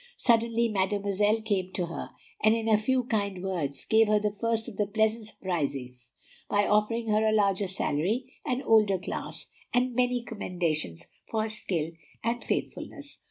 Suddenly Mademoiselle came to her, and in a few kind words gave her the first of the pleasant surprises by offering her a larger salary, an older class, and many commendations for her skill and faithfulness.